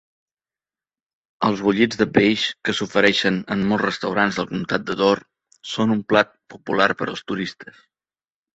Els bullits de peix, que s'ofereixen en molts restaurants del comtat de Door, són un plat popular per als turistes.